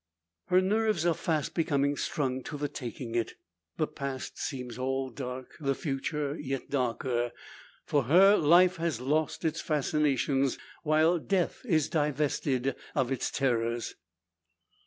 Her nerves are fast becoming strung to the taking it. The past seems all dark, the future yet darker. For her, life has lost its fascinations, while death is divested of its terrors.